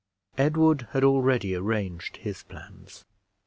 Edward had already arranged his plans.